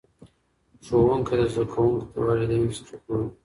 ښوونکي د زده کوونکو د والدینو سره ګوري.